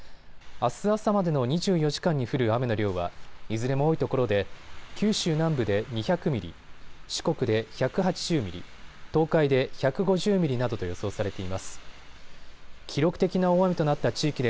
あす朝までの２４時間に降る雨の量はいずれも多いところで九州南部で２００ミリ、四国で１８０ミリ、東海で１５０ミリなどと予想されています。